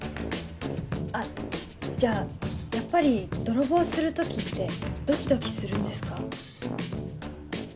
あっじゃあやっぱり泥棒する時ってドキドキするんですか？